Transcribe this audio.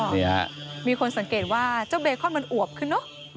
นี่ฮะมีคนสังเกตว่าเจ้าเบคอนมันอวบขึ้นเนอะ